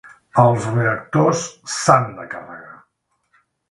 Els reactors s'han de carregar.